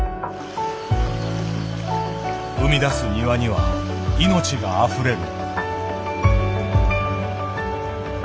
生み出す庭には命があふれる。